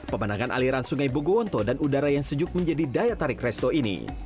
pemandangan aliran sungai bogowonto dan udara yang sejuk menjadi daya tarik resto ini